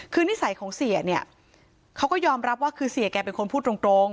คือนิสัยของเสียเนี่ยเขาก็ยอมรับว่าคือเสียแกเป็นคนพูดตรง